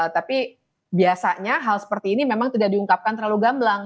tapi biasanya hal seperti ini memang tidak diungkapkan terlalu gamblang